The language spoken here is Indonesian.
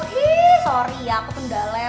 hii sorry ya aku tuh udah level